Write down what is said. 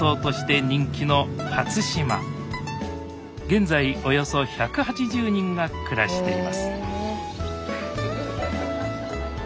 現在およそ１８０人が暮らしています